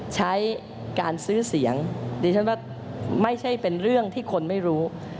ใช้การซื้อเสียงดิฉันว่าไม่ใช่เป็นเรื่องที่คนไม่รู้